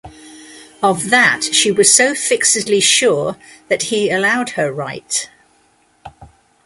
Of that she was so fixedly sure that he allowed her right.